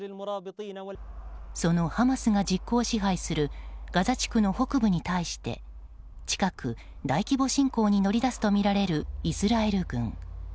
そのハマスが実効支配するガザ地区の北部に対して近く、大規模侵攻に乗り出すとみられるイスラエル軍。